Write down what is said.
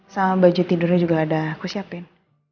sama baju tidurnya juga ada aku siapin